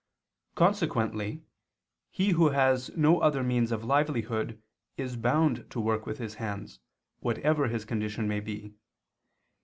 Consequently he who has no other means of livelihood is bound to work with his hands, whatever his condition may be.